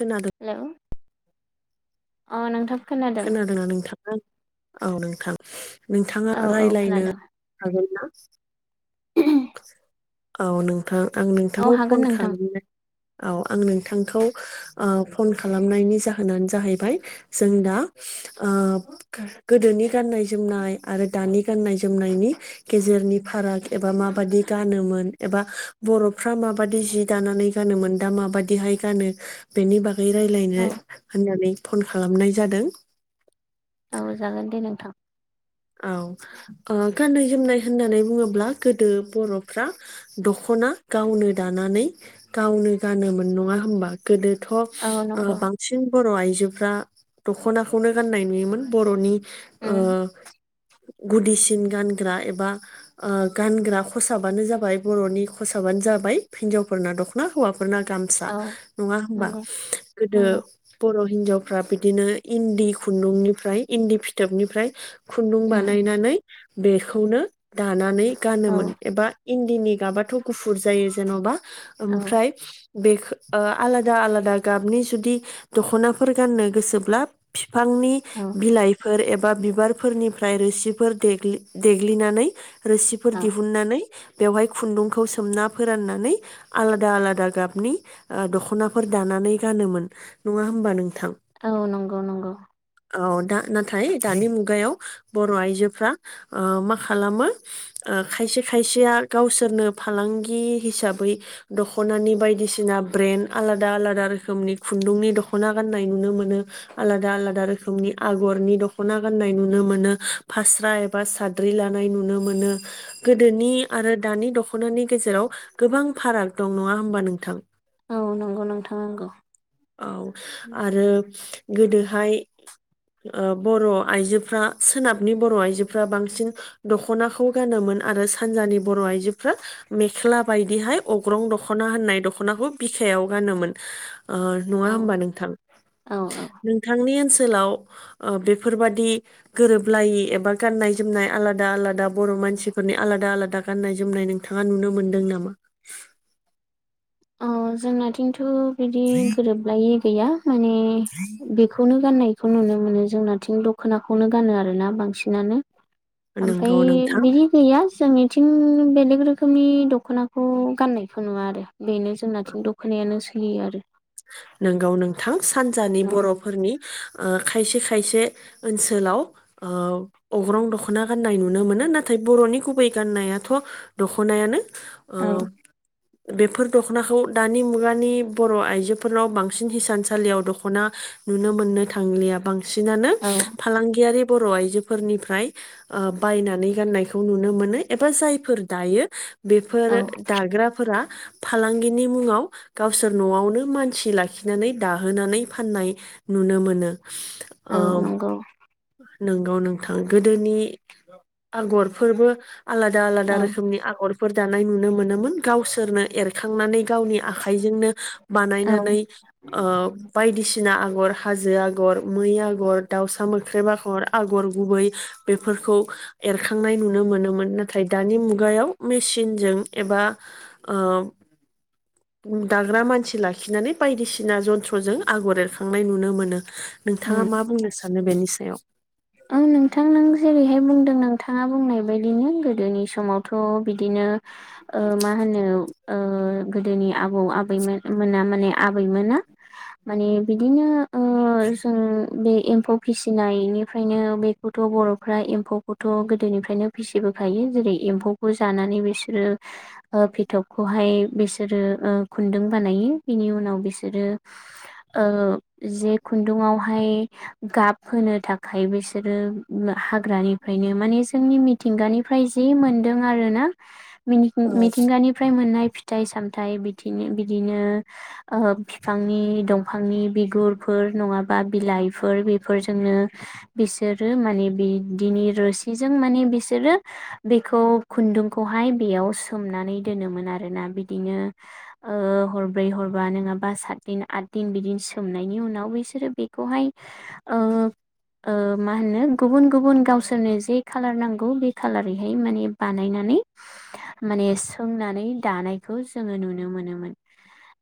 खोना हेलौ अ नोंथां खोनादों। खोनादोंना औ नोंथाङा नोंथां नोंथाङा औ औ रायलायनो खोनादों हागोन ना औ नोंथां आं औ नोंथांखौ फन हागोन नोंथां खालामनाय औ आं नोंथांखौ ओ फन खालामनायनि जाहोनानो जाहैबाय जों दा ओ गोदोनि गाननाय जोमनाय आरो दानि गाननाय जोमनायनि गेजेरनि फाराग एबा माबादि गानोमोन एबा बर'फ्रा माबादि जि दाना नै गानोमोन दा माबादिहाय गानो बेनि बा गै रायलायनो औ होननानै फन खालामनाय जादों। औ जागोन दे नोंथां औ ओ गाननाय जोमनाय होननानै बुङोब्ला गोदो बर'फ्रा दख' ना गावनो दानानै गावनो गानोमोन नङा होनबा गोदो थ' ओ औ नंगौ बांसिन बर' आइजोफ्रा दख'नाखौनो गाननाय नुयोमोन बर'नि ओ उम गुदिसिन गानग्रा एबा ओ गानग्रा खसाबानो जाबाय बर'नि ख साबानो जाबाय हिनजावफोरना दख'ना हौवा फोरना गामसा औ नङा होमबा नंगौ गोदो नंगौ बर' हिन्जावफ्रा बिदिनो इन्दि खुन्दुंनिफ्राय इन्दि फिथोबनिफ्राय खुन्दुं उम बानायनानै बेखौनो दानानै औ गानोमोन एबा इन्दिनि गाबाथ' गुफुर जायो जेन'बा औ ओमफ्राय बे ओ आलादा आलादा गाबनि जुदि दख'नाफोर गाननो गोसोब्ला बिफांनि औ बिलाइफोर एबा बिबार फोरनिफ्राय रोसिफोर देग्लिनानै रोसिफोर औ दिहुननानै बेवहाय खुन्दुंखौ सोमना फोराननानै आलादा आलादा गाबनि दख'नाफोर दाना नै गानोमोन नङा होनबा औ नंगौ नंगौ औ दा नाथाय दानि मुगा मुगायाव बर' आइजोफोरा ओ मा खालामो खायसे खायसेया गावसोर नो फालांगि हिसाबै दख'नानि बायदिसिना ब्रेन्दड आलादा आलादा रोखोमनि खुन्दुंनि दख'ना गाननाय नुनो मोनो आलादा आलादा रोखोमनि आगरनि दख'ना गाननाय नुनो मोनो फास्रा एबा साद्रि लानाय नुनो मोनो गोदोनि आरो दानि दख'नानि गेजेराव गोबां फाराग दं नङा होमबा नोंथां औ नंगौ नोंथां नंगौ आरो गोदोहाय ओ बर' आइजोफ्रा सोनाबनि बर' आइजोफ्रा बांसिन दख'नाखौ गानोमोन आरो सानजानि बर' आइजोफ्रा मेख्ला बायदिहाय अग्रं दख'ना होननाय दख'नाखौ बिखायाव गानोमोन नङा औ होमबा नोंथां औ औ नोंथांनि ओनसोलाव बे बेफोरबादि गोरोबलायै एबा गाननाय जोमनाय आलादा आलादा बर' मानसिफोरनि आलादा आलादा गाननाय जोमनाय नोंथाङा नुनो मोनदों नामा औ जोंनाथिंथ' बिदि गोरोबलायै गैया माने बेखौनो गाननाय बेखौ नुनो मोनो जोंनाथिं दख'नाखौनो गानो आरोना बांसिनानो नोंगौ ओमफ्राय नोंथां बिदि गैया जोंनि थिं बेलेग रोखोमनि दख'नाखौ गाननायखौ नुवा आरो बेनो जोंनाथिं दख'नायानो सोलियो आरो नोंगौ नोंथां सानजानि बर'फोरनि ओ खायसे खायसे ओनसोलाव ओ अग्रं दख'ना गाननाय नुनो मोनो नाथाय बे बर'नि गुबै गान्नायाथ' दख'नायानो ओ औ बेफोर दख'नाखौ दानि मुगानि बर' आइजो फोरनाव बांसिन हिसानसालियाव दख'ना नुनो मोननो थांलिया बांसिन बांसिनानो औ फालांगियारि बर' आइजोफोरनिफ्राय ओ बायनानै गाननायखौ नुनो मोनो एबा जायफोर दायो बेफोर औ दाग्राफोरा फालांगिनि मुङाव गावसोर न'आवनो मान सि लाखिनानै दाहोनानै फाननाय नुनो मोनो औ नंगौ नोंगौ नोंथां गोदोनि आगरफोरबो आलादा आलादा औ रोखोमनि आगर फोर दानाय नुनो मोनोमोन गावसोरनो एरखांनानै गावनि आखाइजोंनो औ नानै ओ बायदिसिना आगर हाजो हाजो आग'र मै आगर दाउसा मोख्रेब आगर आगर गुबै बेफोरखौ एर एरखांनाय नुनो मोनोमोन नाथाय दानि मुगायाव मेसिनजों एबा दाग्रा मानसि लाखि लाखिनानै बायदिसिना जन्थ्रजों आगर एरखांनाय नुनो मोनो उम नोंथाङा मा बुंनो सानो बेनि सायाव औ नोंथां नों जेरैहाय बुंदों नोंथाङा बुंनाय बदिनो गोदोनि समावथ' बिदिनो ओ मा होनो ओ [unintelligible] [inaudible] गोदोनि आबौ आबैमोन मोना माने आबैमोना माने बिदिनो ओ जों बे एम्फौ फिसिनायनि फ्रायनो बेखौथ' बर'फ्रा एम्फौखौथ' गोदोनिफ्रायनो फिसिबोखायो जेरै एम्फौखौ जानानै नि बिसोरो ओ फिथबखौ हाय बिसोरो ओ खुन्दुं बानायो बिनि उनाव बिसोरो ओ जे खुन्दुंआवहाय गाब होनो था खाय बिसोरो हाग्रानिफ्रायनो माने जोंनि मिथिंगानिफ्राय जि मोनदों आर ना। ना मिनि औ मिथिंगानिफ्राय मोननाय फिथ फिथाइ सामथाय मिथिनो बिदिनो बिदिनो ओ बिफांनि दंफांनि बिगुरफोर फोर नङाबा बिलाइफोर बेफोरजोंनो बिसोरो माने बिदिनि रोसिजों माने बिसोरो बेखौ खु खुन्दुंखौहाय बेयाव सोमनानै दोनोमोन आरोना बिदिनो ओ हरब्रै हरबानो नङाबा सातदिन आथ दिन बिदिन सोमनायनि उनाव बिसोरो बेखौहाय ओ ओ मा होनो गुबुन गुबुन गावसोरनो जे खालार नांगौ बे खालारै हाय माने बानाय नानै माने सोंनानै दानायखौ जोङो नुनो मोनोमोन।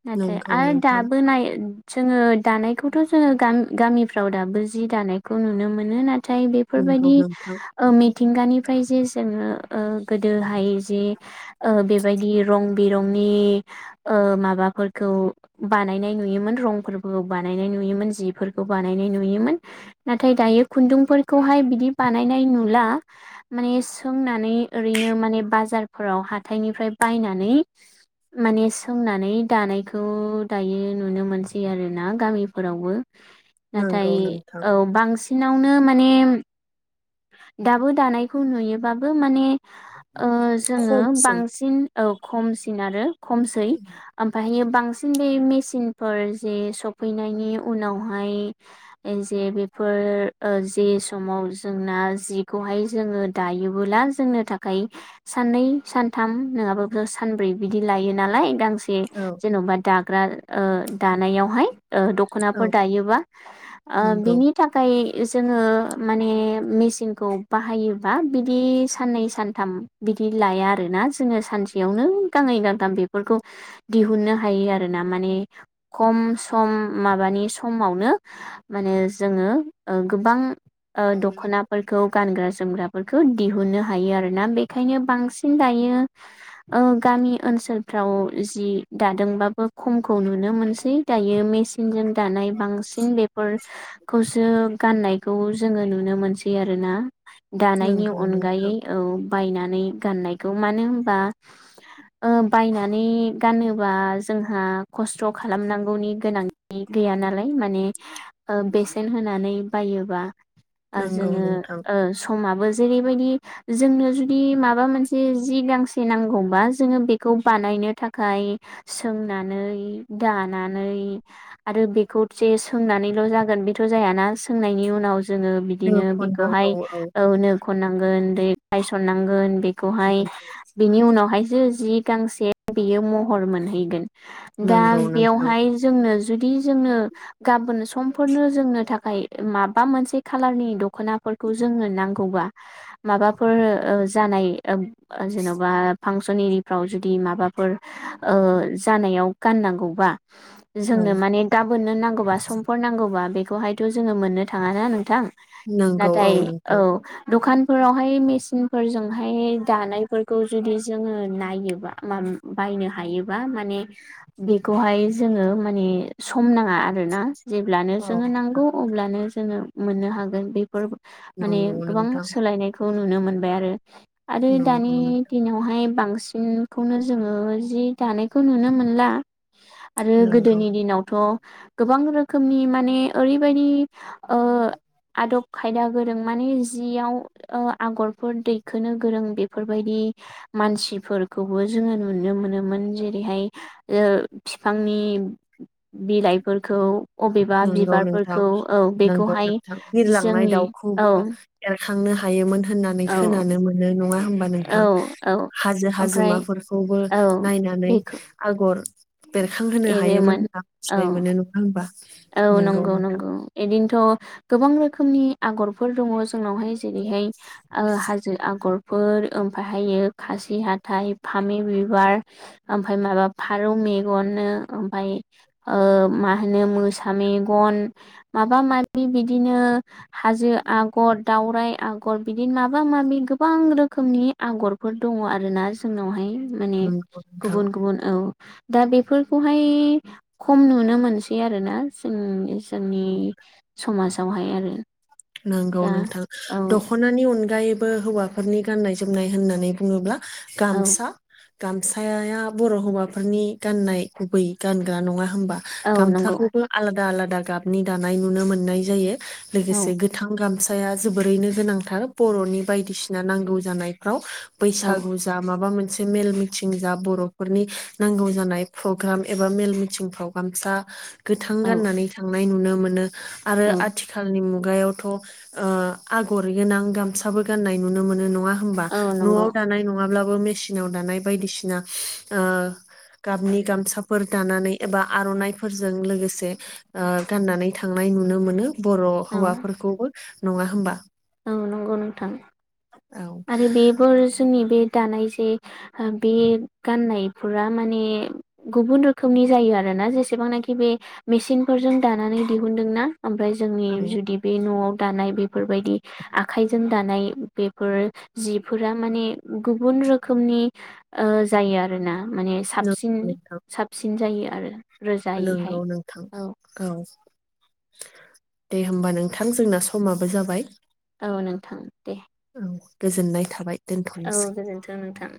नाथाय नंगौ आरो नोंथां दाबो नाय जोङो दानायखौथ' जोङो गान गामिफ्राव दाबो जि दानायखौ नुनो मोनो ना थाय नंगौ बेफोरबायदि नोंथां ओ मिथिंगानिफ्राय जे जोङो ओ गोदोहाय जे ओ बेबायदि रं बि रंनि ओ माबाफोरखौ बानायनाय नुयोमोन रंफोरखौ बानायनाय नुयो योमोन जिफोरखौ बानायनाय नुयोमोन नाथाय दायो खुन्दुंफोरखौहाय बिदि बानायनाय नुला माने सोंनानै ओरै नो माने बाराव हानिफ्राय बायनानै माने सोंनानै दानायखौ दायो नुनो मोनसै आरोना गामिफोरावबो। नंगौ नाथाय नोंथां औ बांसिन नावनो माने दाबो दानायखौ नुयोबाबो माने ओ जोङो खमसै बांसिन औ खमसिन आरो खमसै ओमफ्राय बांसिन बे मेसिनफोर जे सफैनायनि उनावहाय ओम जे बेफोर ओ जे समाव जोंना जिखौहाय जोङो दायोबोला जों नो थाखाय साननै सानथाम नङाबाब सानब्रै बिदि लायो नालाय गांसे औ जेन'बा दाग्रा ओ दानायावहाय ओ दख'नाफोर औ दायोबा ओ नंगौ बिनि थाखाय इ जोङो माने मेसिनखौ बाहायोबा बिदि साननै सानथाम बिदि लाया आरोना जोङो सानसेयावनो गांनै गांथां बेफोरखौ दिहुननो हायो आरो। ना माने खम सम माबानि समावनो माने जोङो ओ गोबां ओ दख'नाफोरखौ गानग्रा जोमग्राफोरखौ दिहुननो हायो आरोना बेखायनो बांसिन दायो ओ गामि ओनसोल फ्राव जि दादोंबाबो खमखौ नुनो मोनसै दायो मेचनजों दानाय बांसिन बेफोर खौसो गाननायखौ जोङो नुनो मोनसै आरोना। दानायनि नंगौ नोंथां अनगायै औ बायनानै गाननायखौ मानो होनबा ओ बायनानै गानोबा जोंहा खस्थ' खालामनां गौनि गोनांथि गैया नालाय माने ओ बेसेन होनानै बायोबा आ नंगौ जोङो नोंथां ओ समाबो जेरै बायदि जोंनो जुदि माबा मोनसे जि गांसे नांगौबा जोङो बेखौ बानाय नो थाखाय सोंनानै दानानै आरो बेखौ जे सोंनानै जागोन बेथ' जायाना सोंनायनि उनाव जोङो नो बिदिनो बेखौहाय खननांगौ औ ओ नो खननांगोन दै गायसननांगोन बि बेखौहाय बिनि उनावहायसो जि गांसे बेयो महर' मोनहैगोन। दा नंगौ नोंथां बेयावहाय जोंनो जुदि जोंनो गाबोन सम' फोरनो जोंनो थाखाय मा मोनसे खारलारनि दख'नाफोरखौ जोंनो नांगौबा माबाफोर ओ जानाय ओ ओ जेन'बा फांसन एरिफ्राव जुदि माबाफोर ओ जानायाव गाननांगौबा औ जोंनो माने गाबोननो नांगौबा समफोर नांगौ आ बेखौहायथ' जोङो मोननो थाङा ना नोंथां नंगौ नाथाय औ नोंथां दखान फोरावहाय मेसिन फोरजोंहाय दानायफोरखौ जुदि जोङो नायोबा माम बा होयनो हायोबा माने बेखौहाय जोङो माने सम नाङा आरोना जेब्ला औ जोङो नांगौ अब्लानो जोङो मोननो हागोन बेफोर माने नंगौ गोबां नोंथां सोलायनायखौ नुनो मोनबाय। आरो दानि नंगौ नोंथां दिनावहाय बांसिन सिनखौनो जोङो जि दानायखौ नुनो मोनला आरो नंगौ गोदोनि दिनावथ' गोबां रोखोमनि माने ओरैबायदि ओ आदब खायदा गोरों माने जियाव ओ आगरफोर दैखोनो गोरों बेफोरबायदि मानसिफोरखौबो जोङो नुनो मोनोमोन जेरैहाय ओ फिफांनि बिलाइफोरखौ अबेबा बिबारफोरखौ औ नोंगौ बेखौहाय नोंथां बिरलांनाय जोंनि औ दाउखौबो एरखांनो हायोमोन होननानै औ खोनानो मोनो नङा होम होमबा औ नोंथां औ हाजो ओमफ्राय हाजोमाफोरखौबो औ नायनानै बेखौ आगर बेरखांहोनो हायोमोन एरोमोन होनना औ मिथिनाय मोनो नङा होमबा। औ नंगौ नंगौ बिदिनोथ' गोबां रोखोमनि आगरफोर दङ। जोंनावहाय जेरैहाय आ हाज जो आगरफोर ओमफाहायो खासि हाथाइ फामे बिबार ओमफ्राय माबा फारौ मेगननो ओमफाय ओ मा होनो मोसा सा मेगन माबा माबि बिदिनो हाजो आगर दावराइ आगर बिदिनो माबा माबि गोबां रोखोमनि आगरफोर दङ आरोना जोंनावहाय। माने नंगौ नोंथां गुबुन गुबुन औ दा बेफोरखौहाय खम नुनो मोनसै आरोना जों जोंनि समाजावहाय आरो नंगौ दा नोंथां औ दख'नानि अनगायै बो हौवाफोरनि गाननाय जोमनाय होननानै बुङोब्ला औ गामसा। गामसायाया बर' हौवाफोरनि गाननाय गुबै गानग्रा नङा। होमबा‌ औ नंगौ गामसाखौबो आलादा आलादा गाबनि दानाय नुनो मोननाय जायो लोगोसे औ गो गोथां गामसाया जोबोरैनो गोनांथार बर'नि बायदिसिना नांगौ जानायफ्राव। औ बैसागु जा माबा मोनसे मोनसे मेल मिथिं जा बर'फोरनि नांगौ जानाय प्रग्राम एबा मेल मिथिं फ्राव गामसा गोथां औ गाननानै थांनाय नुनो मोनो आरो औ आथिखालनि मुगायाव। थ ओ आगर गोनां गामसाबो गाननाय नुनो मोनो नङा। होनबा औ नंगौ न'आव दानाय नङाब्ला मेसिनाव दानाय बायदिसिना ओ गाबनि गामसाफोर दानानै एबा आर'नाइफोरजों लोगोसे ओ गाननानै थांनाय नुनो मोनो बर' औ हौवा नङा होमबा। औ नंगौ नोंथां औ आरो बेफोर जोंनि बे दानाय जे बे गाननायफोरा माने गुबुन रोखोमनि जायो आरो ना जेसेबांनाखि बे मेचन फोरजों दानानै दिहुनदोंना। ओमफ्राय जोंनि औ जुदि बे न'आव दानाय बेफोरबायदि आखाइजों दानाय बेफोर जिफोरा माने गुबुन रोखोमनि ओ जायो आरोना माने साबसिन नंगौ नोंथां साबसिन जायो आरो रोजायैहाय नंगौ नोंथां औ दे होमबा नोंथां जोंना समाबो जाबाय। औ नोंथां दे औ गोजोननाय थाबाय। औ दोनथ'नोसै गोजोनथों नोंथां।